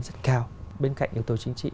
rất cao bên cạnh yếu tố chính trị